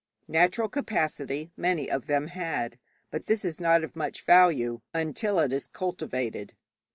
Natural capacity many of them had, but that is not of much value until it is cultivated.